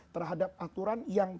terhadap aturan yang